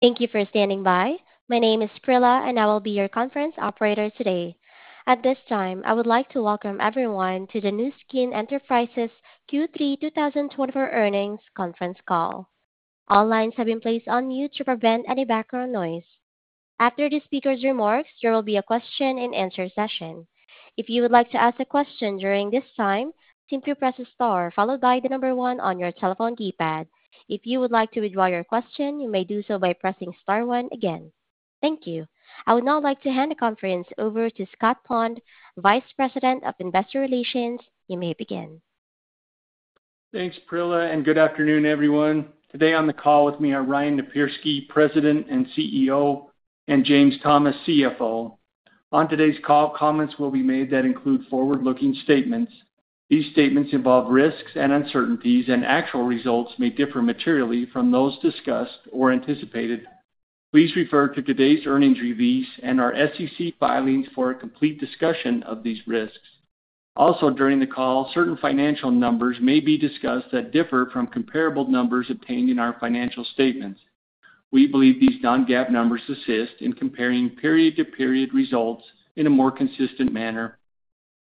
Thank you for standing by. My name is Prilla, and I will be your conference operator today. At this time, I would like to welcome everyone to the Nu Skin Enterprises Q3 2024 Earnings Conference Call. All lines have been placed on mute to prevent any background noise. After the speaker's remarks, there will be a question-and-answer session. If you would like to ask a question during this time, simply press a star followed by the number one on your telephone keypad. If you would like to withdraw your question, you may do so by pressing star one again. Thank you. I would now like to hand the conference over to Scott Pond, Vice President of Investor Relations. You may begin. Thanks, Prilla, and good afternoon, everyone. Today on the call with me are Ryan Napierski, President and CEO, and James Thomas, CFO. On today's call, comments will be made that include forward-looking statements. These statements involve risks and uncertainties, and actual results may differ materially from those discussed or anticipated. Please refer to today's earnings release and our SEC filings for a complete discussion of these risks. Also, during the call, certain financial numbers may be discussed that differ from comparable numbers obtained in our financial statements. We believe these non-GAAP numbers assist in comparing period-to-period results in a more consistent manner.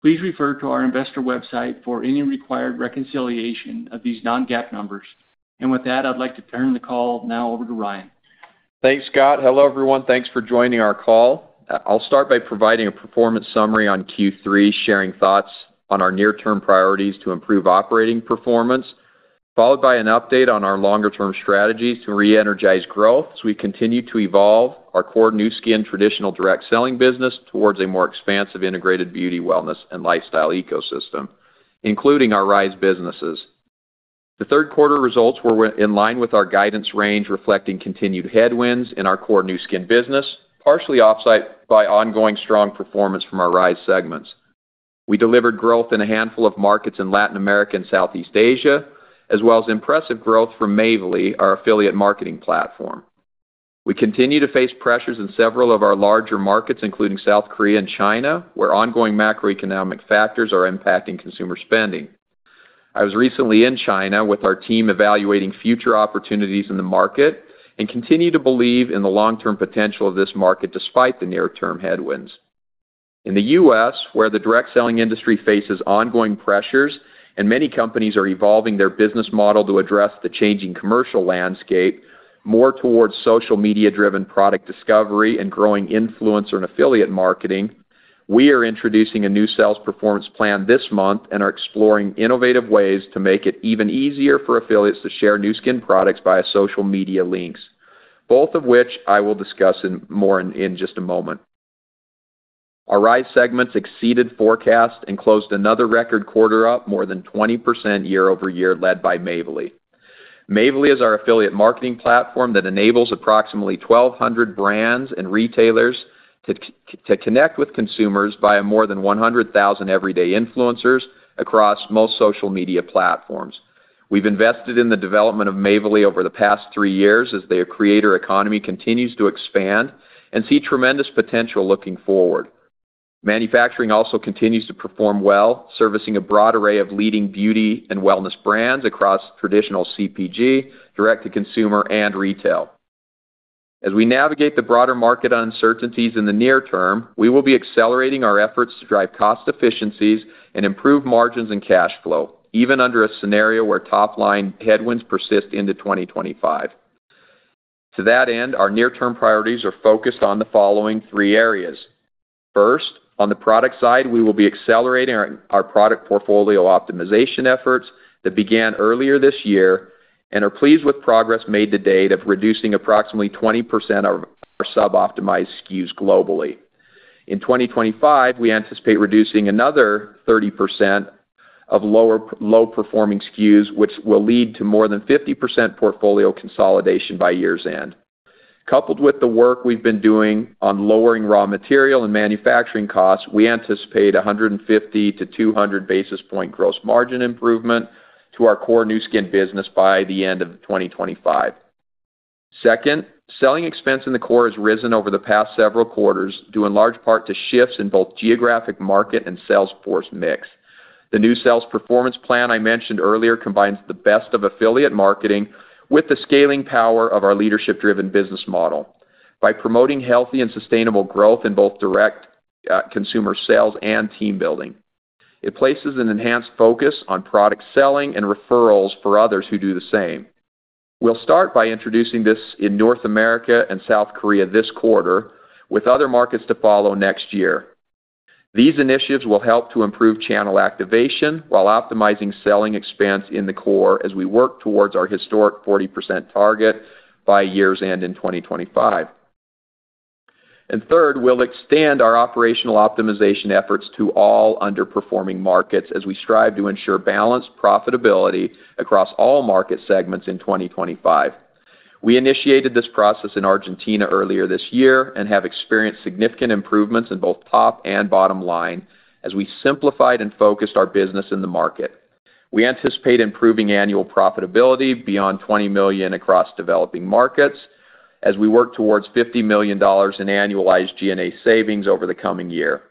Please refer to our investor website for any required reconciliation of these non-GAAP numbers, and with that, I'd like to turn the call now over to Ryan. Thanks, Scott. Hello, everyone. Thanks for joining our call. I'll start by providing a performance summary on Q3, sharing thoughts on our near-term priorities to improve operating performance, followed by an update on our longer-term strategies to re-energize growth as we continue to evolve our core Nu Skin traditional direct selling business towards a more expansive integrated beauty, wellness, and lifestyle ecosystem, including our Rhyz businesses. The third-quarter results were in line with our guidance range, reflecting continued headwinds in our core Nu Skin business, partially offset by ongoing strong performance from our Rhyz segments. We delivered growth in a handful of markets in Latin America and Southeast Asia, as well as impressive growth from Mavely, our affiliate marketing platform. We continue to face pressures in several of our larger markets, including South Korea and China, where ongoing macroeconomic factors are impacting consumer spending. I was recently in China with our team evaluating future opportunities in the market and continue to believe in the long-term potential of this market despite the near-term headwinds. In the U.S., where the direct selling industry faces ongoing pressures and many companies are evolving their business model to address the changing commercial landscape more towards social media-driven product discovery and growing influencer and affiliate marketing, we are introducing a new sales performance plan this month and are exploring innovative ways to make it even easier for affiliates to share Nu Skin products via social media links, both of which I will discuss more in just a moment. Our Rhyz segments exceeded forecast and closed another record quarter up, more than 20% year-over-year, led by Mavely. Mavely is our affiliate marketing platform that enables approximately 1,200 brands and retailers to connect with consumers via more than 100,000 everyday influencers across most social media platforms. We've invested in the development of Mavely over the past three years as their creator economy continues to expand and see tremendous potential looking forward. Manufacturing also continues to perform well, servicing a broad array of leading beauty and wellness brands across traditional CPG, direct-to-consumer, and retail. As we navigate the broader market uncertainties in the near term, we will be accelerating our efforts to drive cost efficiencies and improve margins and cash flow, even under a scenario where top-line headwinds persist into 2025. To that end, our near-term priorities are focused on the following three areas. First, on the product side, we will be accelerating our product portfolio optimization efforts that began earlier this year and are pleased with progress made to date of reducing approximately 20% of our sub-optimized SKUs globally. In 2025, we anticipate reducing another 30% of low-performing SKUs, which will lead to more than 50% portfolio consolidation by year's end. Coupled with the work we've been doing on lowering raw material and manufacturing costs, we anticipate 150-200 basis points gross margin improvement to our core Nu Skin business by the end of 2025. Second, selling expense in the core has risen over the past several quarters, due in large part to shifts in both geographic market and sales force mix. The new sales performance plan I mentioned earlier combines the best of affiliate marketing with the scaling power of our leadership-driven business model by promoting healthy and sustainable growth in both direct consumer sales and team building. It places an enhanced focus on product selling and referrals for others who do the same. We'll start by introducing this in North America and South Korea this quarter, with other markets to follow next year. These initiatives will help to improve channel activation while optimizing selling expense in the core as we work towards our historic 40% target by year's end in 2025, and third, we'll extend our operational optimization efforts to all underperforming markets as we strive to ensure balanced profitability across all market segments in 2025. We initiated this process in Argentina earlier this year and have experienced significant improvements in both top and bottom line as we simplified and focused our business in the market. We anticipate improving annual profitability beyond $20 million across developing markets as we work towards $50 million in annualized G&A savings over the coming year.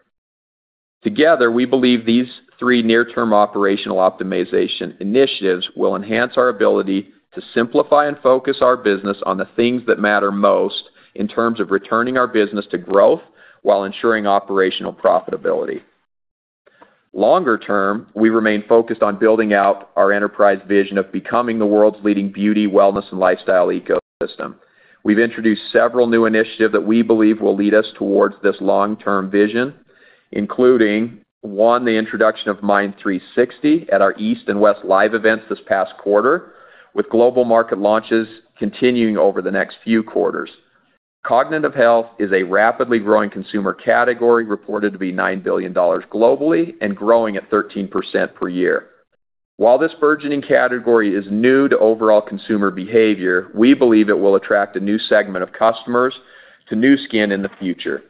Together, we believe these three near-term operational optimization initiatives will enhance our ability to simplify and focus our business on the things that matter most in terms of returning our business to growth while ensuring operational profitability. Longer term, we remain focused on building out our enterprise vision of becoming the world's leading beauty, wellness, and lifestyle ecosystem. We've introduced several new initiatives that we believe will lead us towards this long-term vision, including one, the introduction of MYND360 at our East and West Live events this past quarter, with global market launches continuing over the next few quarters. Cognitive health is a rapidly growing consumer category reported to be $9 billion globally and growing at 13% per year. While this burgeoning category is new to overall consumer behavior, we believe it will attract a new segment of customers to Nu Skin in the future.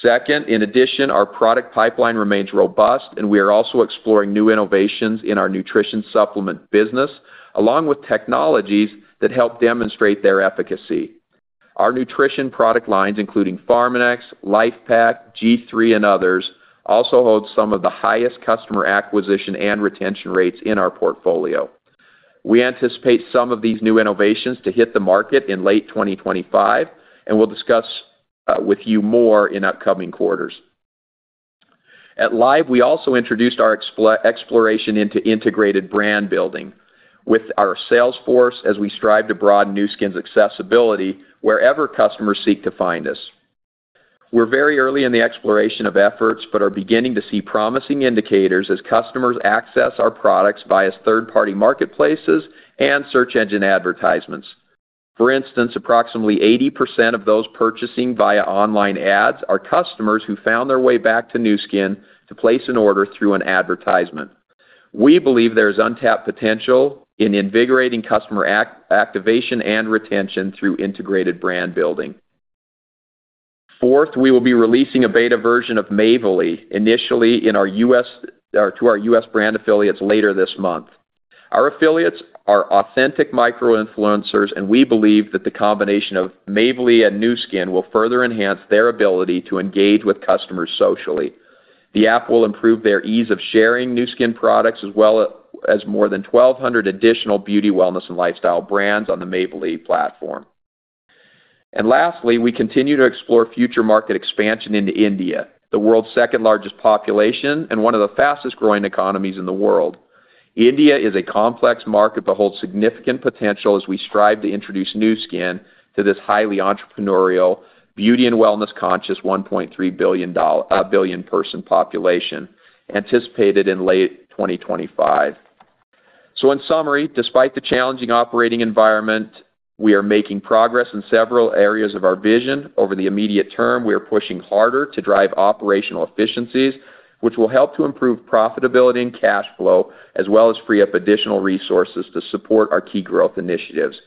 Second, in addition, our product pipeline remains robust, and we are also exploring new innovations in our nutrition supplement business, along with technologies that help demonstrate their efficacy. Our nutrition product lines, including Pharmanex, LifePak, g3, and others, also hold some of the highest customer acquisition and retention rates in our portfolio. We anticipate some of these new innovations to hit the market in late 2025, and we'll discuss with you more in upcoming quarters. At Live, we also introduced our exploration into integrated brand building with our sales force as we strive to broaden Nu Skin's accessibility wherever customers seek to find us. We're very early in the exploration of efforts but are beginning to see promising indicators as customers access our products via third-party marketplaces and search engine advertisements. For instance, approximately 80% of those purchasing via online ads are customers who found their way back to Nu Skin to place an order through an advertisement. We believe there is untapped potential in invigorating customer activation and retention through integrated brand building. Fourth, we will be releasing a beta version of Mavely initially to our U.S. brand affiliates later this month. Our affiliates are authentic micro-influencers, and we believe that the combination of Mavely and Nu Skin will further enhance their ability to engage with customers socially. The app will improve their ease of sharing Nu Skin products as well as more than 1,200 additional beauty, wellness, and lifestyle brands on the Mavely platform, and lastly, we continue to explore future market expansion into India, the world's second-largest population and one of the fastest-growing economies in the world. India is a complex market but holds significant potential as we strive to introduce Nu Skin to this highly entrepreneurial, beauty and wellness-conscious 1.3 billion person population anticipated in late 2025, so in summary, despite the challenging operating environment, we are making progress in several areas of our vision. Over the immediate term, we are pushing harder to drive operational efficiencies, which will help to improve profitability and cash flow, as well as free up additional resources to support our key growth initiatives.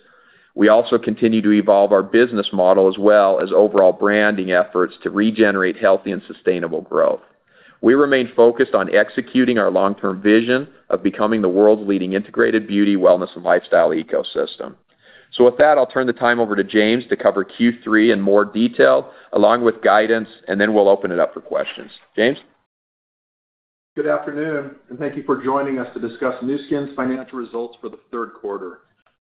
We also continue to evolve our business model as well as overall branding efforts to regenerate healthy and sustainable growth. We remain focused on executing our long-term vision of becoming the world's leading integrated beauty, wellness, and lifestyle ecosystem. So with that, I'll turn the time over to James to cover Q3 in more detail along with guidance, and then we'll open it up for questions. James? Good afternoon, and thank you for joining us to discuss Nu Skin's financial results for the third quarter.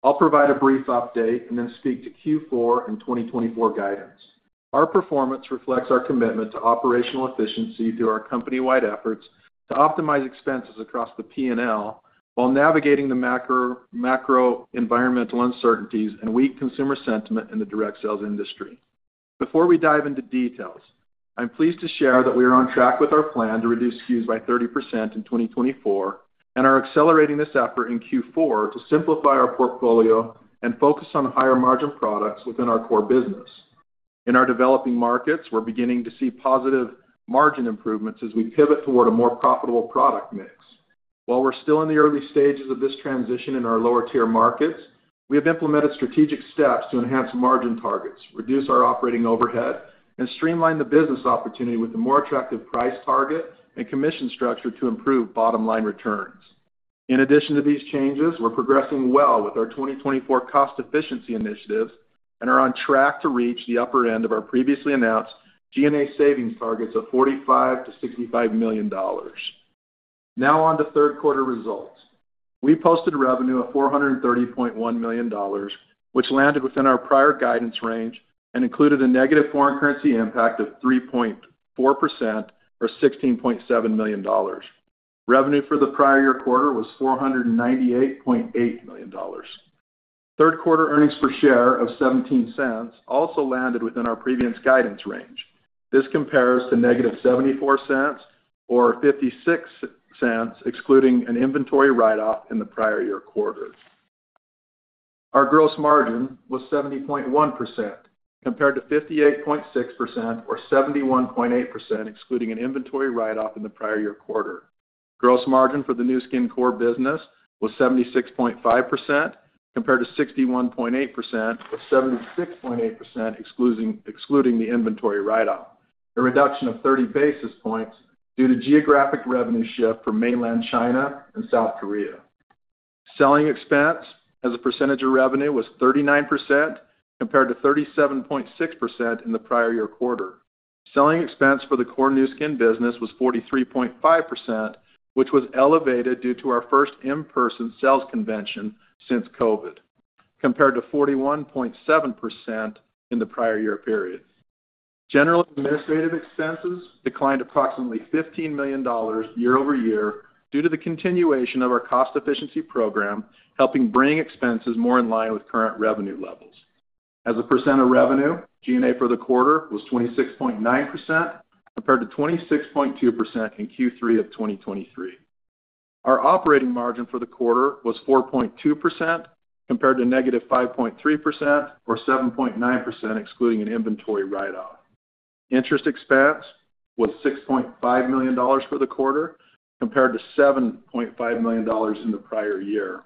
I'll provide a brief update and then speak to Q4 and 2024 guidance. Our performance reflects our commitment to operational efficiency through our company-wide efforts to optimize expenses across the P&L while navigating the macroeconomic uncertainties and weak consumer sentiment in the direct sales industry. Before we dive into details, I'm pleased to share that we are on track with our plan to reduce SKUs by 30% in 2024, and are accelerating this effort in Q4 to simplify our portfolio and focus on higher-margin products within our core business. In our developing markets, we're beginning to see positive margin improvements as we pivot toward a more profitable product mix. While we're still in the early stages of this transition in our lower-tier markets, we have implemented strategic steps to enhance margin targets, reduce our operating overhead, and streamline the business opportunity with a more attractive price target and commission structure to improve bottom-line returns. In addition to these changes, we're progressing well with our 2024 cost efficiency initiatives and are on track to reach the upper end of our previously announced G&A savings targets of $45 million-$65 million. Now on to third-quarter results. We posted revenue of $430.1 million, which landed within our prior guidance range and included a negative foreign currency impact of 3.4% or $16.7 million. Revenue for the prior year quarter was $498.8 million. Third-quarter earnings per share of $0.17 also landed within our previous guidance range. This compares to negative $0.74 or $0.56, excluding an inventory write-off in the prior year quarter. Our gross margin was 70.1% compared to 58.6% or 71.8%, excluding an inventory write-off in the prior year quarter. Gross margin for the Nu Skin core business was 76.5% compared to 61.8% or 76.8%, excluding the inventory write-off, a reduction of 30 basis points due to geographic revenue shift from mainland China and South Korea. Selling expense as a percentage of revenue was 39% compared to 37.6% in the prior year quarter. Selling expense for the core Nu Skin business was 43.5%, which was elevated due to our first in-person sales convention since COVID, compared to 41.7% in the prior year period. General administrative expenses declined approximately $15 million year-over-year due to the continuation of our cost efficiency program, helping bring expenses more in line with current revenue levels. As a percent of revenue, G&A for the quarter was 26.9% compared to 26.2% in Q3 of 2023. Our operating margin for the quarter was 4.2% compared to negative 5.3% or 7.9%, excluding an inventory write-off. Interest expense was $6.5 million for the quarter compared to $7.5 million in the prior year.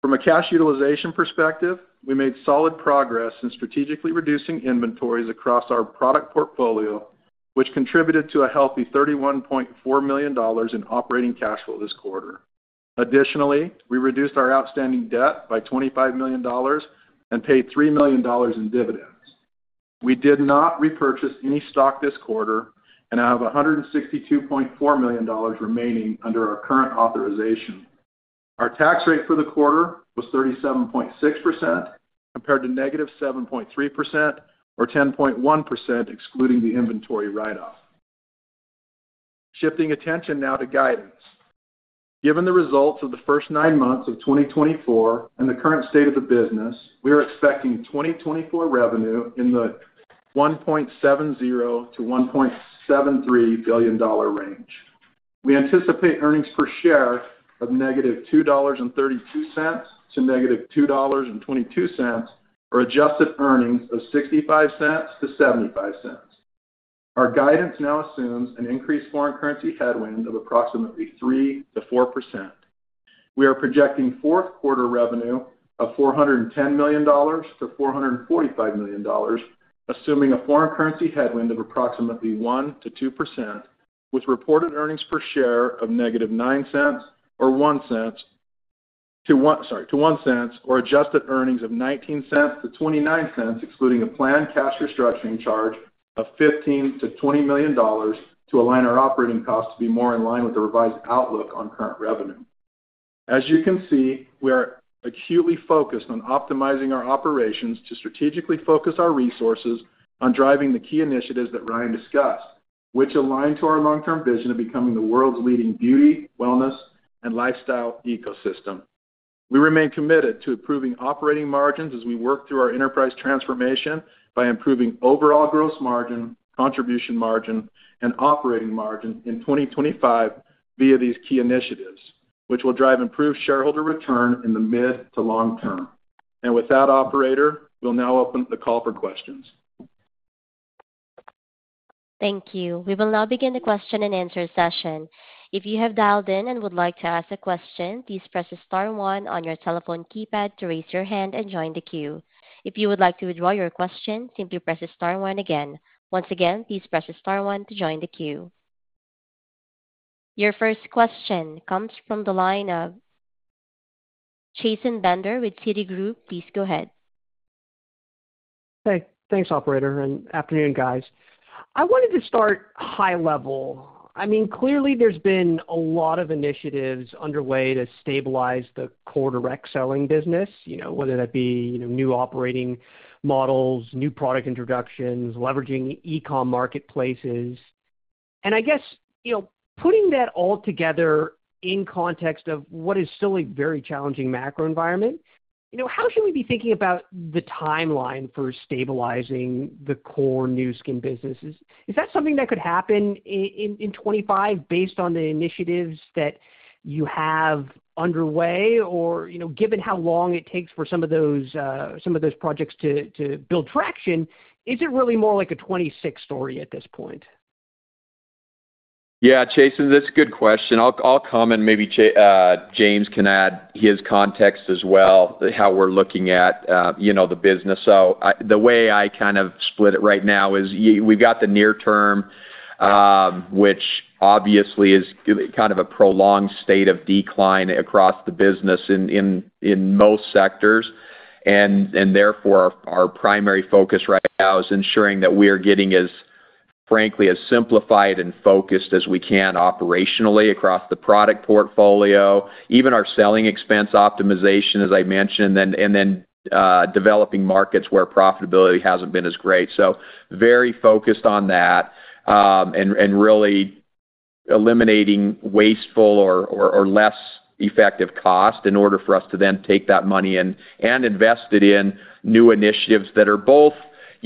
From a cash utilization perspective, we made solid progress in strategically reducing inventories across our product portfolio, which contributed to a healthy $31.4 million in operating cash flow this quarter. Additionally, we reduced our outstanding debt by $25 million and paid $3 million in dividends. We did not repurchase any stock this quarter and have $162.4 million remaining under our current authorization. Our tax rate for the quarter was 37.6% compared to negative 7.3% or 10.1%, excluding the inventory write-off. Shifting attention now to guidance. Given the results of the first nine months of 2024 and the current state of the business, we are expecting 2024 revenue in the $1.70 billion-$1.73 billion range. We anticipate earnings per share of -$2.32 to -$2.22 or adjusted earnings of $0.65-$0.75. Our guidance now assumes an increased foreign currency headwind of approximately 3%-4%. We are projecting fourth-quarter revenue of $410 million-$445 million, assuming a foreign currency headwind of approximately 1%-2%, with reported earnings per share of negative $0.09 or $0.01 to $0.01 or adjusted earnings of $0.19-$0.29, excluding a planned cash restructuring charge of $15 million-$20 million to align our operating costs to be more in line with the revised outlook on current revenue. As you can see, we are acutely focused on optimizing our operations to strategically focus our resources on driving the key initiatives that Ryan discussed, which align to our long-term vision of becoming the world's leading beauty, wellness, and lifestyle ecosystem. We remain committed to improving operating margins as we work through our enterprise transformation by improving overall gross margin, contribution margin, and operating margin in 2025 via these key initiatives, which will drive improved shareholder return in the mid to long term, and with that, operator, we'll now open the call for questions. Thank you. We will now begin the question and answer session. If you have dialed in and would like to ask a question, please press the star one on your telephone keypad to raise your hand and join the queue. If you would like to withdraw your question, simply press the star one again. Once again, please press the star one to join the queue. Your first question comes from the line of Chasen Bender with Citigroup. Please go ahead. Thanks, Operator. Good afternoon, guys. I wanted to start high level. I mean, clearly, there's been a lot of initiatives underway to stabilize the core direct selling business, whether that be new operating models, new product introductions, leveraging e-com marketplaces, and I guess putting that all together in context of what is still a very challenging macro environment, how should we be thinking about the timeline for stabilizing the core Nu Skin businesses? Is that something that could happen in 2025 based on the initiatives that you have underway? Or given how long it takes for some of those projects to build traction, is it really more like a 2026 story at this point? Yeah, Chasen, that's a good question. I'll comment. Maybe James can add his context as well, how we're looking at the business, so the way I kind of split it right now is we've got the near term, which obviously is kind of a prolonged state of decline across the business in most sectors, and therefore, our primary focus right now is ensuring that we are getting as frankly as simplified and focused as we can operationally across the product portfolio, even our selling expense optimization, as I mentioned, and then developing markets where profitability hasn't been as great. So very focused on that and really eliminating wasteful or less effective cost in order for us to then take that money and invest it in new initiatives that are both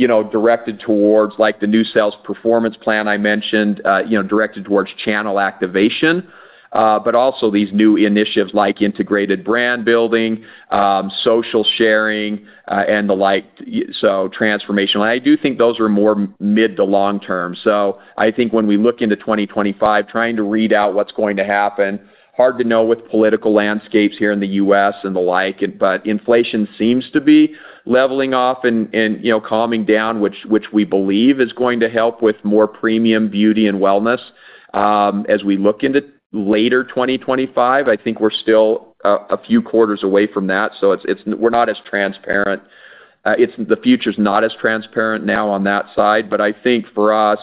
directed towards like the new sales performance plan I mentioned, directed towards channel activation, but also these new initiatives like integrated brand building, social sharing, and the like, so transformational. I do think those are more mid to long term. So I think when we look into 2025, trying to read out what's going to happen, hard to know with political landscapes here in the U.S. and the like, but inflation seems to be leveling off and calming down, which we believe is going to help with more premium beauty and wellness as we look into later 2025. I think we're still a few quarters away from that, so we're not as transparent. The future is not as transparent now on that side, but I think for us,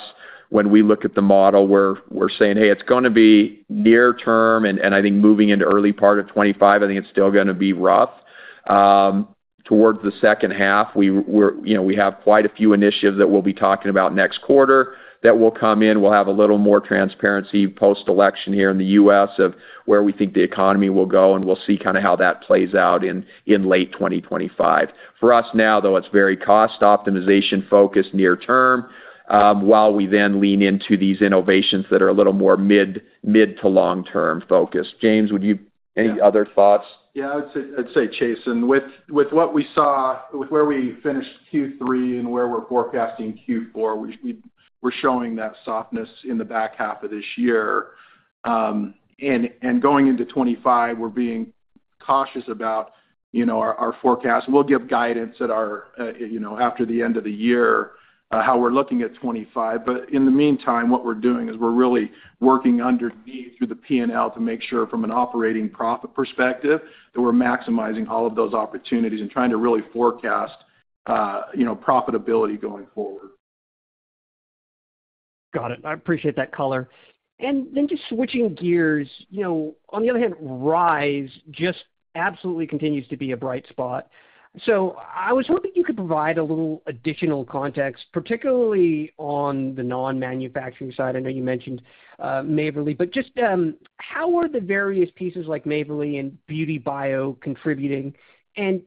when we look at the model, we're saying, "Hey, it's going to be near term," and I think moving into early part of 2025, I think it's still going to be rough. Towards the second half, we have quite a few initiatives that we'll be talking about next quarter that will come in. We'll have a little more transparency post-election here in the U.S. of where we think the economy will go, and we'll see kind of how that plays out in late 2025. For us now, though, it's very cost optimization focused near term while we then lean into these innovations that are a little more mid to long term focused. James, would you any other thoughts? Yeah, I'd say, Chasen, with what we saw, with where we finished Q3 and where we're forecasting Q4, we're showing that softness in the back half of this year. And going into 2025, we're being cautious about our forecast. We'll give guidance after the end of the year how we're looking at 2025. But in the meantime, what we're doing is we're really working underneath through the P&L to make sure from an operating profit perspective that we're maximizing all of those opportunities and trying to really forecast profitability going forward. Got it. I appreciate that color. And then just switching gears, on the other hand, Rhyz just absolutely continues to be a bright spot. So I was hoping you could provide a little additional context, particularly on the non-manufacturing side. I know you mentioned Mavely, but just how are the various pieces like Mavely and BeautyBio contributing? And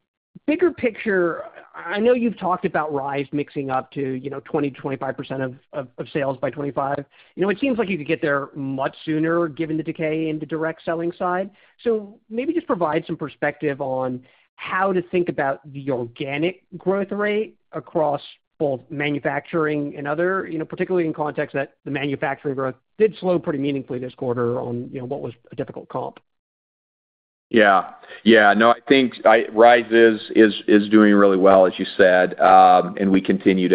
bigger picture, I know you've talked about Rhyz making up to 20%-25% of sales by 2025. It seems like you could get there much sooner given the decay in the direct selling side. So maybe just provide some perspective on how to think about the organic growth rate across both manufacturing and other, particularly in context that the manufacturing growth did slow pretty meaningfully this quarter on what was a difficult comp. Yeah. Yeah. No, I think Rhyz is doing really well, as you said, and we continue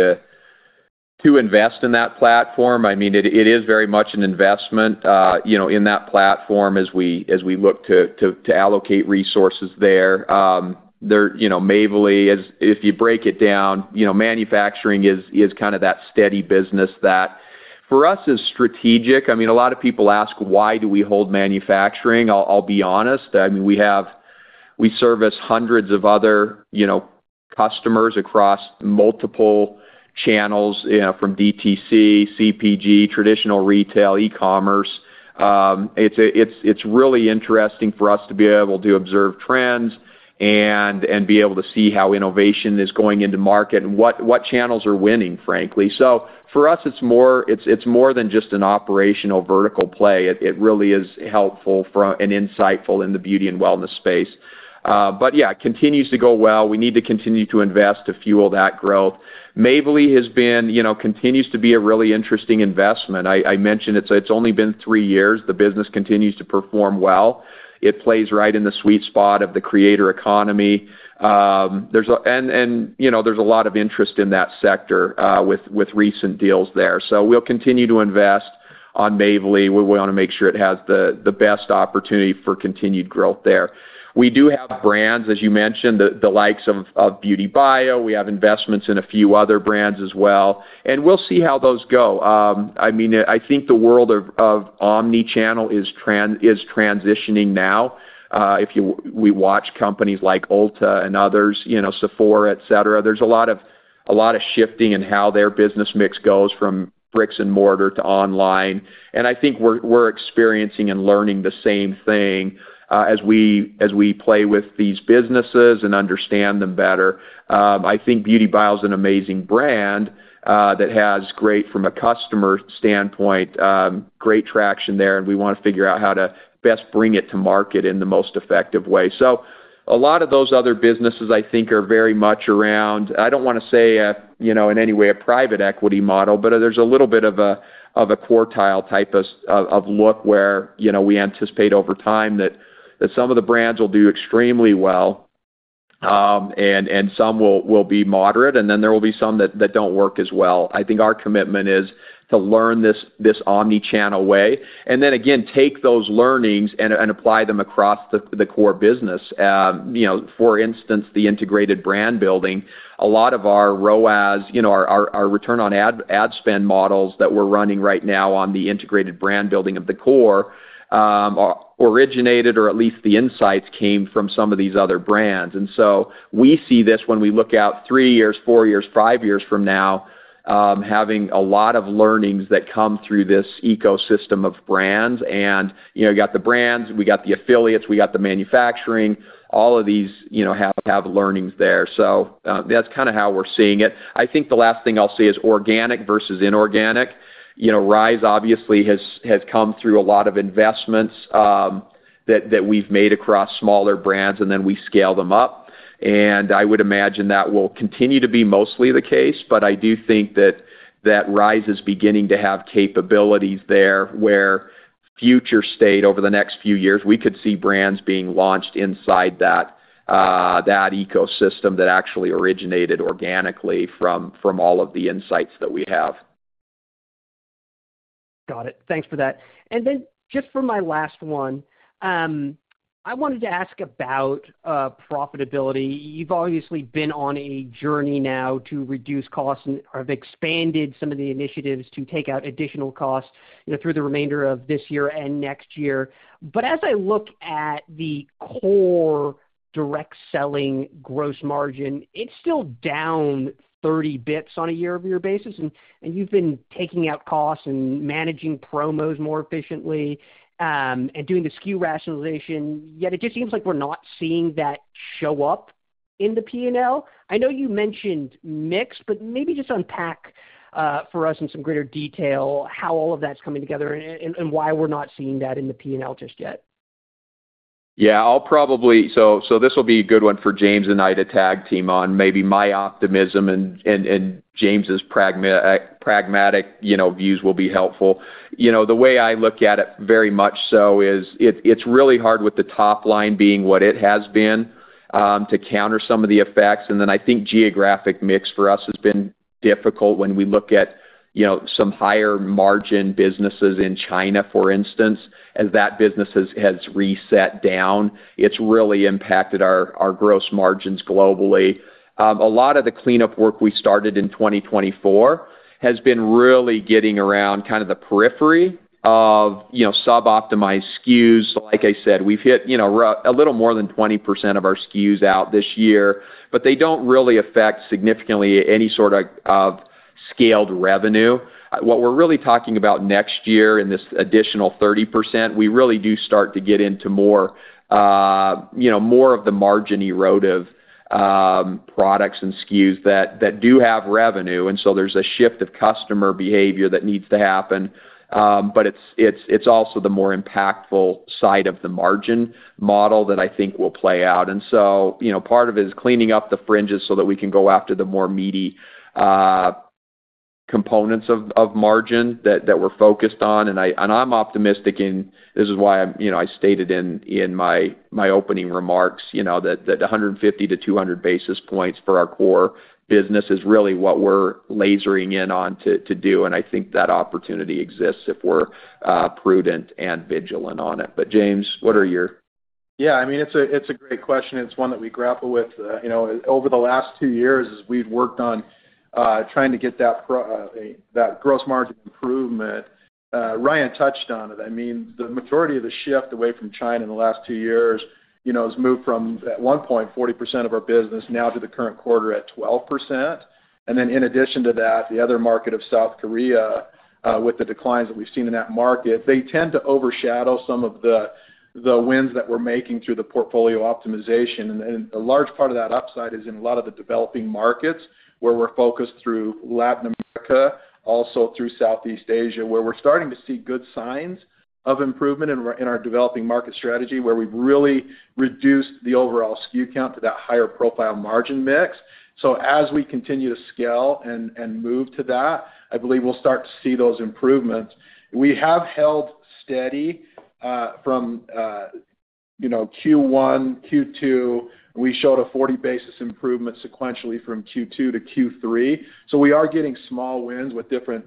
to invest in that platform. I mean, it is very much an investment in that platform as we look to allocate resources there. Mavely, if you break it down, manufacturing is kind of that steady business that for us is strategic. I mean, a lot of people ask, "Why do we hold manufacturing?" I'll be honest. I mean, we service hundreds of other customers across multiple channels from DTC, CPG, traditional retail, e-commerce. It's really interesting for us to be able to observe trends and be able to see how innovation is going into market and what channels are winning, frankly. So for us, it's more than just an operational vertical play. It really is helpful and insightful in the beauty and wellness space. But yeah, it continues to go well. We need to continue to invest to fuel that growth. Mavely continues to be a really interesting investment. I mentioned it's only been three years. The business continues to perform well. It plays right in the sweet spot of the creator economy. And there's a lot of interest in that sector with recent deals there. So we'll continue to invest on Mavely. We want to make sure it has the best opportunity for continued growth there. We do have brands, as you mentioned, the likes of BeautyBio. We have investments in a few other brands as well. And we'll see how those go. I mean, I think the world of omnichannel is transitioning now. If we watch companies like Ulta and others, Sephora, et cetera, there's a lot of shifting in how their business mix goes from bricks and mortar to online. And I think we're experiencing and learning the same thing as we play with these businesses and understand them better. I think BeautyBio is an amazing brand that has great, from a customer standpoint, great traction there, and we want to figure out how to best bring it to market in the most effective way. So a lot of those other businesses, I think, are very much around. I don't want to say in any way a private equity model, but there's a little bit of a quartile type of look where we anticipate over time that some of the brands will do extremely well and some will be moderate, and then there will be some that don't work as well. I think our commitment is to learn this omnichannel way and then, again, take those learnings and apply them across the core business. For instance, the integrated brand building, a lot of our ROAS, our return on ad spend models that we're running right now on the integrated brand building of the core originated, or at least the insights came from some of these other brands. And so we see this when we look out three years, four years, five years from now, having a lot of learnings that come through this ecosystem of brands. And you got the brands, we got the affiliates, we got the manufacturing. All of these have learnings there. So that's kind of how we're seeing it. I think the last thing I'll say is organic versus inorganic. Rhyz obviously has come through a lot of investments that we've made across smaller brands, and then we scale them up. I would imagine that will continue to be mostly the case, but I do think that Rhyz is beginning to have capabilities there where future state over the next few years, we could see brands being launched inside that ecosystem that actually originated organically from all of the insights that we have. Got it. Thanks for that. And then just for my last one, I wanted to ask about profitability. You've obviously been on a journey now to reduce costs and have expanded some of the initiatives to take out additional costs through the remainder of this year and next year. But as I look at the core direct selling gross margin, it's still down 30 basis points on a year-over-year basis. And you've been taking out costs and managing promos more efficiently and doing the SKU rationalization, yet it just seems like we're not seeing that show up in the P&L. I know you mentioned mix, but maybe just unpack for us in some greater detail how all of that's coming together and why we're not seeing that in the P&L just yet. Yeah. So this will be a good one for James and I to tag team on. Maybe my optimism and James's pragmatic views will be helpful. The way I look at it very much so is it's really hard with the top line being what it has been to counter some of the effects. And then I think geographic mix for us has been difficult when we look at some higher margin businesses in China, for instance, as that business has reset down. It's really impacted our gross margins globally. A lot of the cleanup work we started in 2024 has been really getting around kind of the periphery of sub-optimized SKUs. Like I said, we've hit a little more than 20% of our SKUs out this year, but they don't really affect significantly any sort of scaled revenue. What we're really talking about next year in this additional 30%, we really do start to get into more of the margin-eroding products and SKUs that do have revenue. And so there's a shift of customer behavior that needs to happen, but it's also the more impactful side of the margin model that I think will play out. And so part of it is cleaning up the fringes so that we can go after the more meaty components of margin that we're focused on. And I'm optimistic in this is why I stated in my opening remarks that 150-200 basis points for our core business is really what we're lasering in on to do. And I think that opportunity exists if we're prudent and vigilant on it. But James, what are your? Yeah. I mean, it's a great question. It's one that we grapple with. Over the last two years, we've worked on trying to get that gross margin improvement. Ryan touched on it. I mean, the majority of the shift away from China in the last two years has moved from, at one point, 40% of our business now to the current quarter at 12%. And then in addition to that, the other market of South Korea, with the declines that we've seen in that market, they tend to overshadow some of the wins that we're making through the portfolio optimization. A large part of that upside is in a lot of the developing markets where we're focused through Latin America, also through Southeast Asia, where we're starting to see good signs of improvement in our developing market strategy where we've really reduced the overall SKU count to that higher profile margin mix. So as we continue to scale and move to that, I believe we'll start to see those improvements. We have held steady from Q1, Q2. We showed a 40 basis points improvement sequentially from Q2 to Q3. So we are getting small wins with different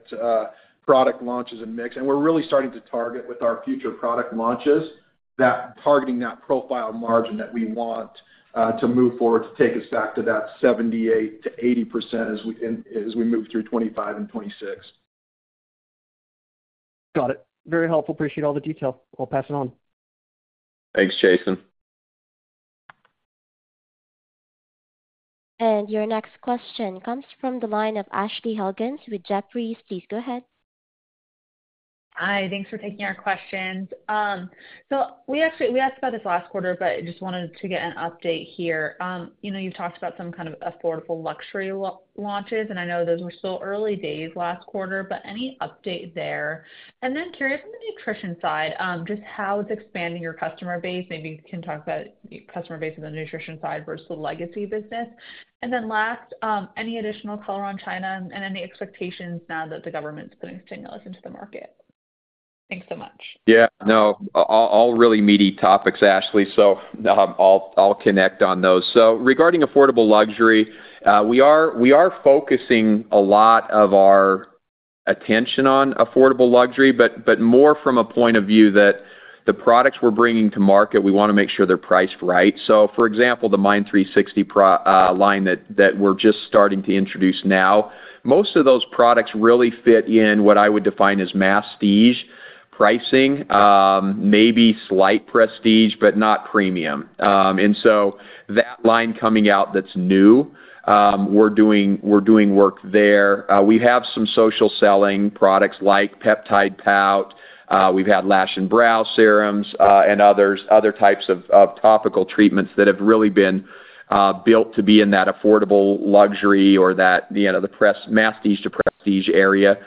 product launches and mix. And we're really starting to target with our future product launches that targeting that profile margin that we want to move forward to take us back to that 78%-80% as we move through 2025 and 2026. Got it. Very helpful. Appreciate all the detail. I'll pass it on. Thanks, Chasen. Your next question comes from the line of Ashley Helgans with Jefferies. Please go ahead. Hi. Thanks for taking our questions. So we asked about this last quarter, but I just wanted to get an update here. You've talked about some kind of affordable luxury launches, and I know those were still early days last quarter, but any update there? And then curious on the nutrition side, just how it's expanding your customer base. Maybe you can talk about customer base on the nutrition side versus the legacy business. And then last, any additional color on China and any expectations now that the government's putting stimulus into the market? Thanks so much. Yeah. No, all really meaty topics, Ashley. So I'll connect on those. So regarding affordable luxury, we are focusing a lot of our attention on affordable luxury, but more from a point of view that the products we're bringing to market, we want to make sure they're priced right. So for example, the MYND360 line that we're just starting to introduce now, most of those products really fit in what I would define as masstige pricing, maybe slight prestige, but not premium. And so that line coming out that's new, we're doing work there. We have some social selling products like Peptide Pout. We've had Lash + Brow Serums and other types of topical treatments that have really been built to be in that affordable luxury or that masstige to prestige area.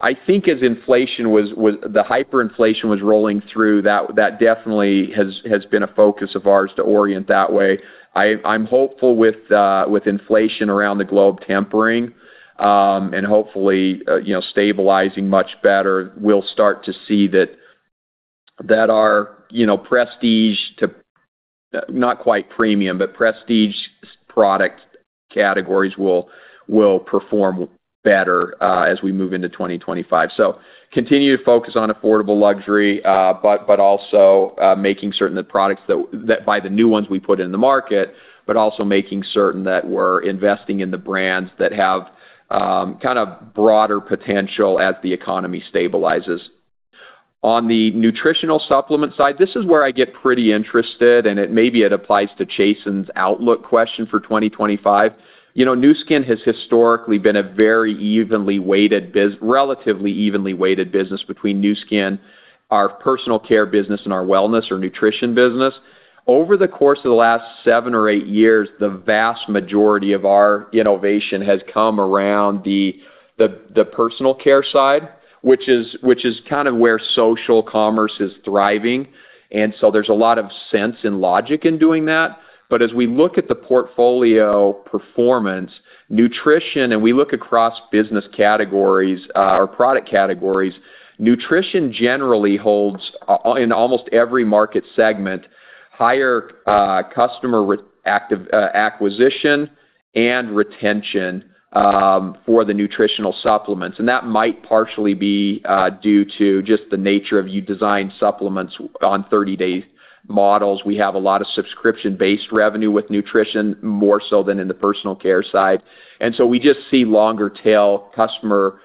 I think as inflation, the hyperinflation, was rolling through, that definitely has been a focus of ours to orient that way. I'm hopeful with inflation around the globe tempering and hopefully stabilizing much better. We'll start to see that our prestige, not quite premium, but prestige product categories will perform better as we move into 2025. Continue to focus on affordable luxury, but also making certain that products that by the new ones we put in the market, but also making certain that we're investing in the brands that have kind of broader potential as the economy stabilizes. On the nutritional supplement side, this is where I get pretty interested, and maybe it applies to Chasen's outlook question for 2025. Nu Skin has historically been a very evenly weighted, relatively evenly weighted business between Nu Skin, our personal care business, and our wellness or nutrition business. Over the course of the last seven or eight years, the vast majority of our innovation has come around the personal care side, which is kind of where social commerce is thriving. And so there's a lot of sense and logic in doing that. But as we look at the portfolio performance, nutrition, and we look across business categories or product categories, nutrition generally holds in almost every market segment higher customer acquisition and retention for the nutritional supplements. And that might partially be due to just the nature of you design supplements on 30-day models. We have a lot of subscription-based revenue with nutrition more so than in the personal care side. And so we just see longer-tail customer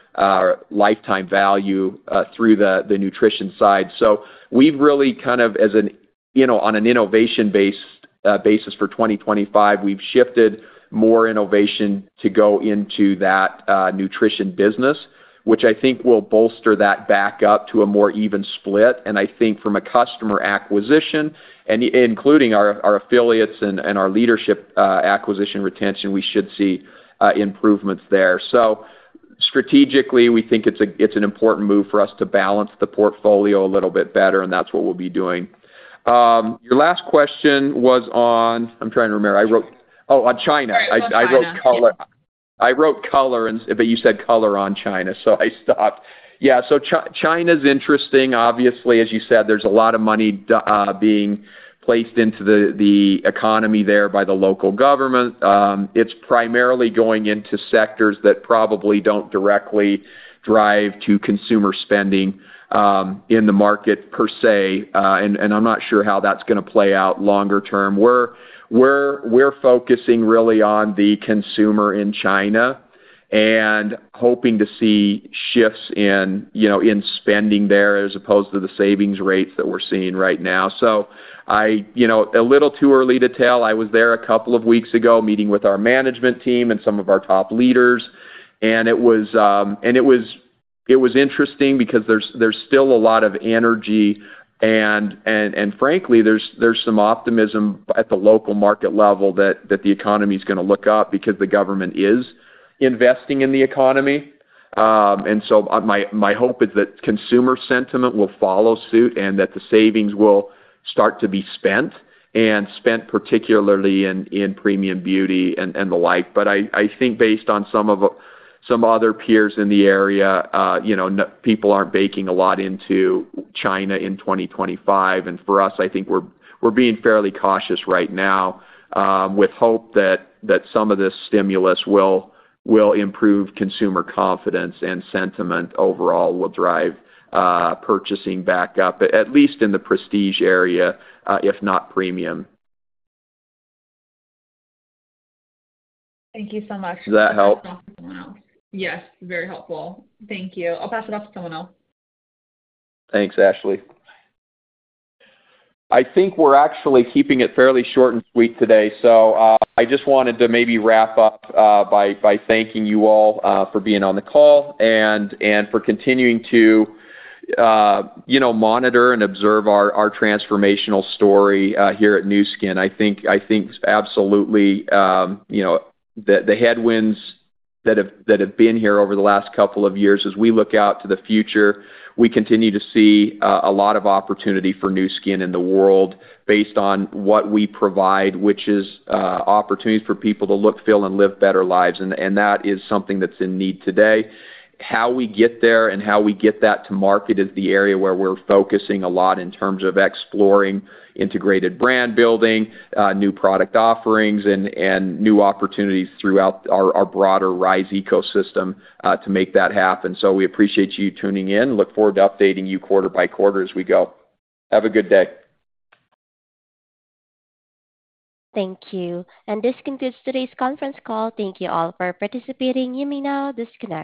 lifetime value through the nutrition side. So we've really kind of, on an innovation-based basis for 2025, we've shifted more innovation to go into that nutrition business, which I think will bolster that back up to a more even split. And I think from a customer acquisition, including our affiliates and our leadership acquisition retention, we should see improvements there. So strategically, we think it's an important move for us to balance the portfolio a little bit better, and that's what we'll be doing. Your last question was on... I'm trying to remember. I wrote, oh, on China. Right. On China, Yeah. I wrote color, but you said color on China, so I stopped. Yeah. So China's interesting. Obviously, as you said, there's a lot of money being placed into the economy there by the local government. It's primarily going into sectors that probably don't directly drive to consumer spending in the market per se, and I'm not sure how that's going to play out longer term. We're focusing really on the consumer in China and hoping to see shifts in spending there as opposed to the savings rates that we're seeing right now. So a little too early to tell. I was there a couple of weeks ago meeting with our management team and some of our top leaders, and it was interesting because there's still a lot of energy. And frankly, there's some optimism at the local market level that the economy is going to look up because the government is investing in the economy. And so my hope is that consumer sentiment will follow suit and that the savings will start to be spent particularly in premium beauty and the like. But I think based on some other peers in the area, people aren't baking a lot into China in 2025. And for us, I think we're being fairly cautious right now with hope that some of this stimulus will improve consumer confidence and sentiment overall will drive purchasing back up, at least in the prestige area, if not premium. Thank you so much. Does that help? Yes. Very helpful. Thank you. I'll pass it off to someone else. Thanks, Ashley. I think we're actually keeping it fairly short and sweet today. So I just wanted to maybe wrap up by thanking you all for being on the call and for continuing to monitor and observe our transformational story here at Nu Skin. I think absolutely the headwinds that have been here over the last couple of years, as we look out to the future, we continue to see a lot of opportunity for Nu Skin in the world based on what we provide, which is opportunities for people to look, feel, and live better lives. And that is something that's in need today. How we get there and how we get that to market is the area where we're focusing a lot in terms of exploring integrated brand building, new product offerings, and new opportunities throughout our broader Rhyz ecosystem to make that happen. So we appreciate you tuning in. Look forward to updating you quarter by quarter as we go. Have a good day. Thank you. And this concludes today's conference call. Thank you all for participating. You may now disconnect.